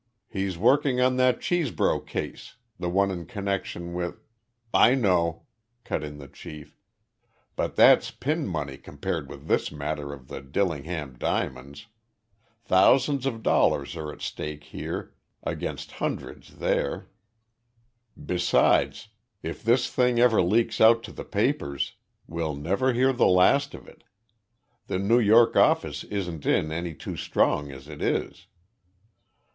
He's working on that Chesbro case, the one in connection with " "I know," cut in the chief. "But that's pin money compared with this matter of the Dillingham diamonds. Thousands of dollars are at stake here, against hundreds there. Besides, if this thing ever leaks out to the papers we'll never hear the last of it. The New York office isn't in any too strong as it is.